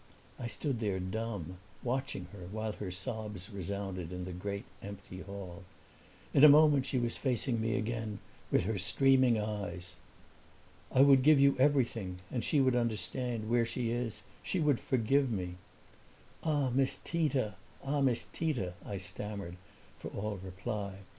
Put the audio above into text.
I stood there dumb, watching her while her sobs resounded in the great empty hall. In a moment she was facing me again, with her streaming eyes. "I would give you everything and she would understand, where she is she would forgive me!" "Ah, Miss Tita ah, Miss Tita," I stammered, for all reply.